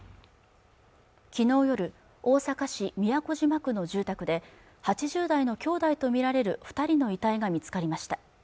昨日夜大阪市都島区の住宅で８０代の兄弟と見られる二人の遺体が見つかりました